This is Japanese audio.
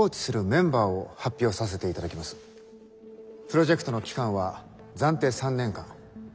プロジェクトの期間は暫定３年間。